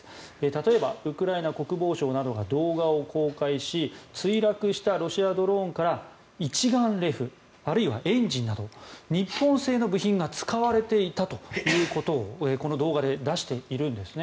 例えばウクライナ国防省などが動画を公開し墜落したロシアドローンから一眼レフ、あるいはエンジンなど日本製の部品が使われていたということをこの動画で出しているんです。